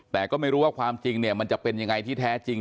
แต่ก็ไม่รู้ว่าความจริงเนี่ยมันจะเป็นยังไงที่แท้จริง